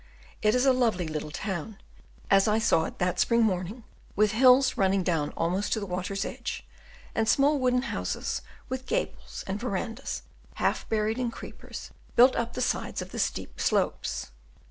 It is a lovely little town, as I saw it that spring morning, with hills running down almost to the water's edge, and small wooden houses with gables and verandahs, half buried in creepers, built up the sides of the steep slopes.